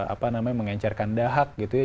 apa namanya mengencarkan dahak gitu ya